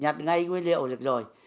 nhặt ngay nguyên liệu được rồi